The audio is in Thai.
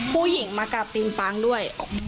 ผู้หญิงมากราบติงปังด้วย